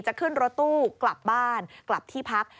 ขึ้นรถตู้กลับบ้านกลับที่พัก